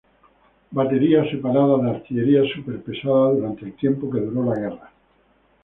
Batería Separada de Artillería Súper Pesada durante el tiempo que duró la guerra.